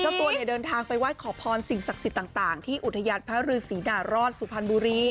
เจ้าตัวเนี่ยเดินทางไปไหว้ขอพรสิ่งศักดิ์สิทธิ์ต่างที่อุทยานพระฤษีนารอดสุพรรณบุรี